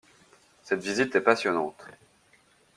Cette visite est passionnante.